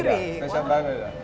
setiap stasiun itu berbeda